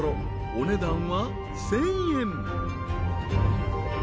［お値段は１，０００円］